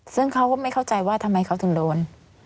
ซึ่งเขาก็ไม่เข้าใจว่าทำไมเขาถึงโดน